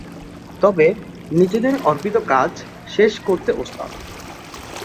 তবে, নিজেদের অর্পিত কাজ শেষ করতে ওস্তাদ।